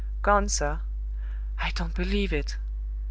"Gone, sir." "I don't believe it!"